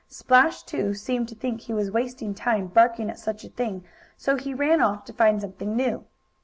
Splash, too, seemed to think he was wasting time barking at such a thing, so he ran off to find something new.